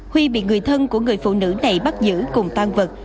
huy bị người thân của người phụ nữ này bắt giữ cùng tan vật